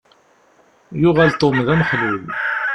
Yuɣal Tom d amexlul.